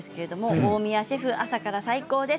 大宮シェフ、朝から最高です。